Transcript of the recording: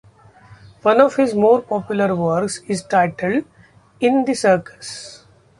One of his more popular works is titled "In The Circus".